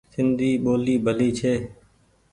سندي ٻولي ڀلي ڇي ۔